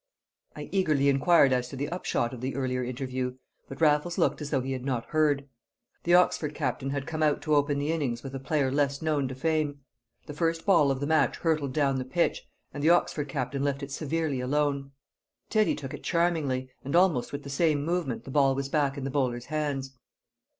I eagerly inquired as to the upshot of the earlier interview, but Raffles looked as though he had not heard. The Oxford captain had come out to open the innings with a player less known to fame; the first ball of the match hurtled down the pitch, and the Oxford captain left it severely alone. Teddy took it charmingly, and almost with the same movement the ball was back in the bowler's hands.